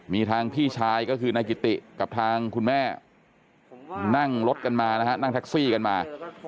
มีทางพี่ชายก็คือนายกิติกับทางคุณแม่นั่งรถกันมานะฮะนั่งแท็กซี่กันมา